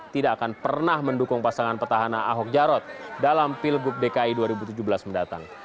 tidak akan pernah mendukung pasangan petahana ahok jarot dalam pilgub dki dua ribu tujuh belas mendatang